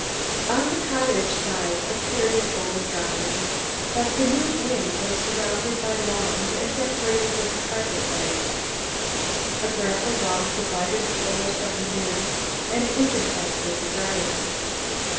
On the cottage side appeared an old garden, but the new wing was surrounded by lawns and decorated with carpet bedding. A gravel walk divided the old from the new, and intersected the garden.